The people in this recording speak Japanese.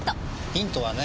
ヒントはね